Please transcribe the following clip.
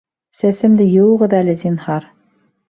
Сәсемде йыуығыҙ әле, зинһар